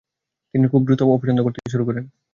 তিনি খুব দ্রুত অপছন্দ করতে শুরু করেন।